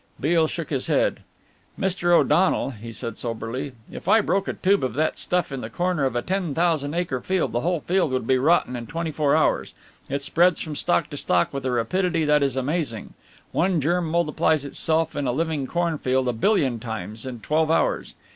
Beale shook his head. "Mr. O'Donnel," he said soberly, "if I broke a tube of that stuff in the corner of a ten thousand acre field the whole field would be rotten in twenty four hours! It spreads from stalk to stalk with a rapidity that is amazing. One germ multiplies itself in a living cornfield a billion times in twelve hours.